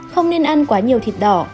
không nên ăn quá nhiều thịt đỏ